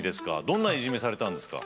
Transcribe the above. どんないじめされたんですか？